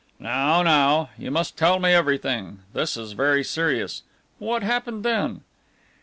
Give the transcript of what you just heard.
"Now, now. You must tell me everything. This is very serious. What happened then?"